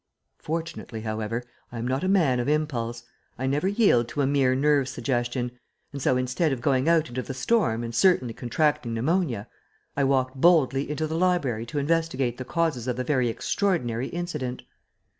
Fortunately, however, I am not a man of impulse. I never yield to a mere nerve suggestion, and so, instead of going out into the storm and certainly contracting pneumonia, I walked boldly into the library to investigate the causes of the very extraordinary incident.